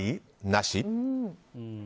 なし？